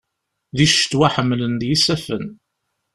Di ccetwa, ḥemmlen-d yisaffen.